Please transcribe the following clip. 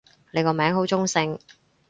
你個名好中性